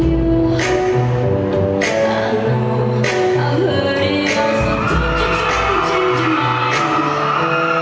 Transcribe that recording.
อย่างไรก็ต้องคุยกันอยู่แล้วค่ะ